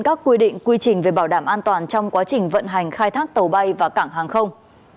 các quy định quy trình về bảo đảm an toàn trong quá trình vận hành khai thác tàu bay và cảng hàng không